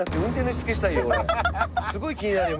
すごい気になるよ